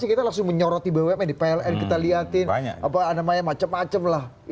kita langsung menyorot di bumn pln macam macam